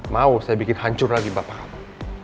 mau saya bikin hancur lagi bapak apa